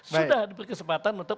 sudah diberi kesempatan untuk